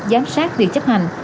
giám sát việc chấp hành